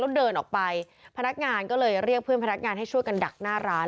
แล้วเดินออกไปพนักงานก็เลยเรียกเพื่อนพนักงานให้ช่วยกันดักหน้าร้าน